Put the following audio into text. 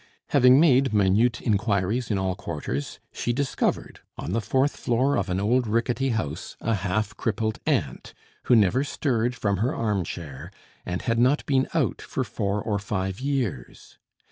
Having made minute inquiries in all quarters, she discovered, on the fourth floor of an old rickety house, a half crippled aunt, who never stirred from her arm chair, and had not been out for four or five years.